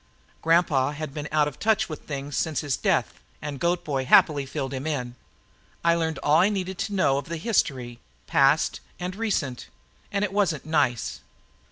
Grandpa had been out of touch with things since his death and Goat boy happily filled him in. I learned all I needed to know of the history, past and recent, and it wasn't nice.